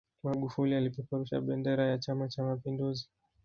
magufuli alipeperusha bendera ya chama cha mapinduzi